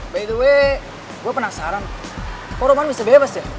by the way gue penasaran for roman bisa bebas ya